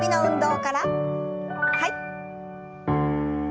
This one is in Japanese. はい。